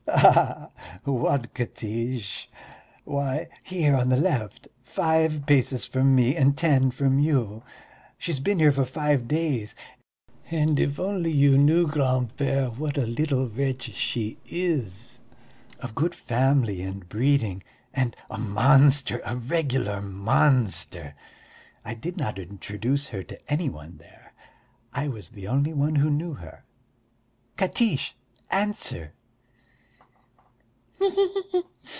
"A ah, what Katiche? Why, here on the left, five paces from me and ten from you. She has been here for five days, and if only you knew, grand père, what a little wretch she is! Of good family and breeding and a monster, a regular monster! I did not introduce her to any one there, I was the only one who knew her.... Katiche, answer!"